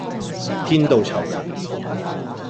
天道酬勤